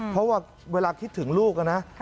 เพราะว่าเวลาคิดถึงลูกนะ